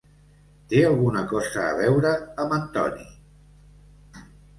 Té alguna cosa a veure amb Antoni.